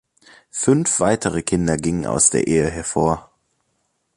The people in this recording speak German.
Fünf weitere Kinder gingen aus der Ehe hervor.